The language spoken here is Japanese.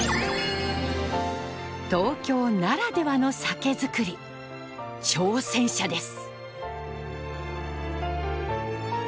東京ならではの酒づくり挑戦者です。